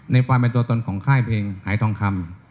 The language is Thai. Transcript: ในความเป็นตัวตนของค่ายเพลงหายทองคำ